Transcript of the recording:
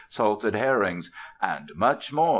salted herrings," and much more.